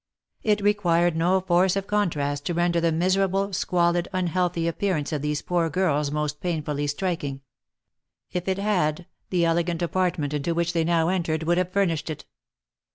It required no force of contrast to render the miserable, squalid, unhealthy appearance of these poor girls most painfully striking ; if it had, the elegant apartment into which they now entered would have furnished it.